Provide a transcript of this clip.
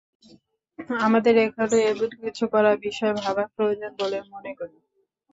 আমাদের এখানেও এমন কিছু করার বিষয় ভাবা প্রয়োজন বলে মনে করি।